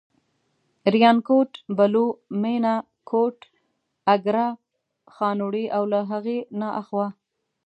ریانکوټ، بلو، مېنه، کوټ، اګره، خانوړی او له هغې نه اخوا.